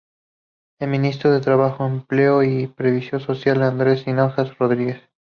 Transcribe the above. El ministro de Trabajo, Empleo y Previsión Social es Andres Hinojosa Rodríguez.